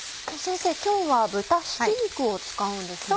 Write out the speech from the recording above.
今日は豚ひき肉を使うんですね。